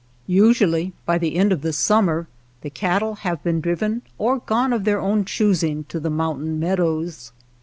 Usually by the end of the summer the cattle have been driven or gone of their own choosing to the moun tain meadows.